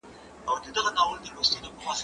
کېدای سي کتابتون ليری وي،